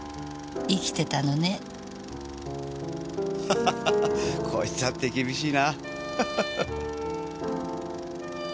ハハハこいつは手厳しいな。